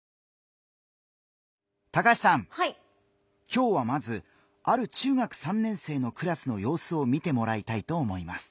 今日はまずある中学３年生のクラスのようすを見てもらいたいと思います。